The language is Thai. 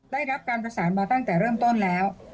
ได้รับการประสานมาตั้งแต่เริ่มต้นแล้ว